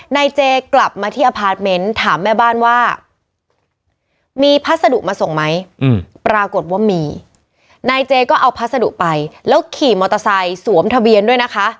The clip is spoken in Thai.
นายเจกลับมาที่อพาร์ทเมนต์ถามแม่บ้านว่ามีพัสดุมาส่งไหมปรากฏว่ามีนายเจก็เอาพัสดุไปแล้วขี่มอเตอร์ไซค์สวมทะเบียนด้วยนะคะ